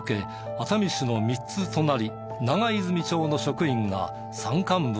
熱海市の３つ隣長泉町の職員が山間部をパトロール。